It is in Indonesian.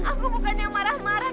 aku bukan yang marah marah